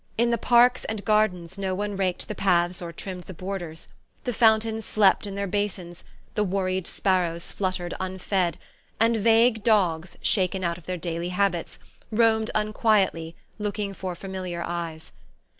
In the parks and gardens no one raked the paths or trimmed the borders. The fountains slept in their basins, the worried sparrows fluttered unfed, and vague dogs, shaken out of their daily habits, roamed unquietly, looking for familiar eyes.